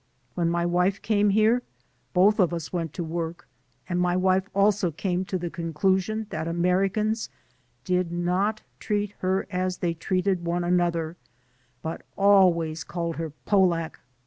When my wife came here, both of us went to work, and my wife also came to the conclusion that Americans did not treat her as they treated one another, but always called her *Polack.'